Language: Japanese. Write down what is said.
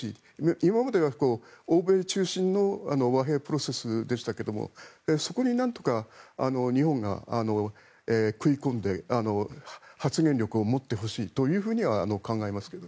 今までは欧米中心の和平プロセスでしたけどそこになんとか日本が食い込んで発言力を持ってほしいというふうには考えますけど。